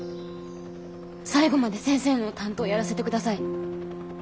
最後まで先生の担当やらせて下さい。